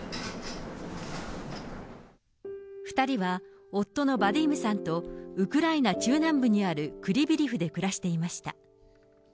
２人は夫のバディームさんとウクライナ中南部にあるクリビリフで暮らしていました。